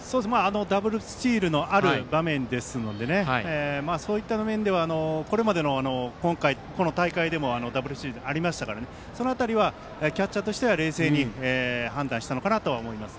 ダブルスチールのある場面ですのでそういった場面ではこの大会でもダブルスチールありましたからその辺りはキャッチャーとして冷静に判断したのかなと思います。